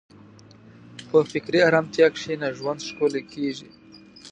په فکري ارامتیا کښېنه، ژوند ښکلی کېږي.